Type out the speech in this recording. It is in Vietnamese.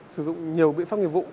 sử dụng nhiều biện pháp nghiệp vụ